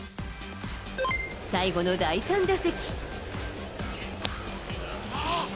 最後の第３打席。